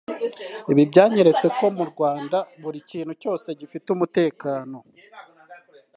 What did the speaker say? ibi byanyeretse ko mu Rwanda buri kintu cyose gifite umutekano